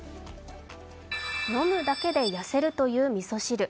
飲むだけで痩せるというみそ汁。